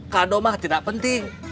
kado mah tidak penting